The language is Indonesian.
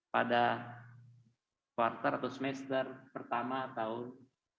pada kuartal atau semester pertama tahun dua ribu dua puluh